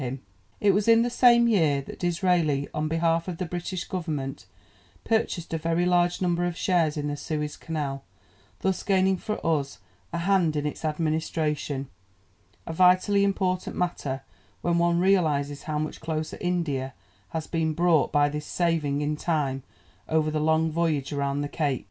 ] It was in the same year that Disraeli, on behalf of the British Government, purchased a very large number of shares in the Suez Canal, thus gaining for us a hand in its administration a vitally important matter when one realizes how much closer India has been brought by this saving in time over the long voyage round the Cape.